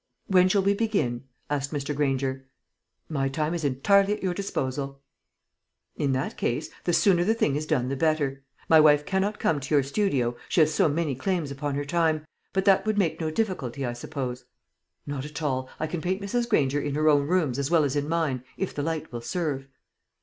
"When shall we begin?" asked Mr. Granger. "My time is entirely at your disposal." "In that case, the sooner the thing is done the better. My wife cannot come to your studio she has so many claims upon her time but that would make no difficulty, I suppose?" "Not at all. I can paint Mrs. Granger in her own rooms as well as in mine, if the light will serve."